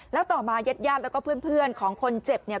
แล้วต่อมาญาติญาติแล้วก็เพื่อนของคนเจ็บเนี่ย